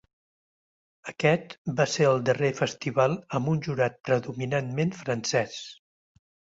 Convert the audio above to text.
Aquest va ser el darrer festival amb un jurat predominantment francès.